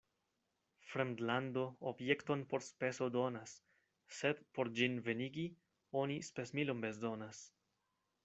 Fremdlando objekton por speso donas, sed por ĝin venigi, oni spesmilon bezonas.